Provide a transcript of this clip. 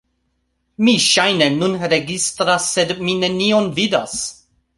Mi ŝajne nun registras sed mi nenion vidas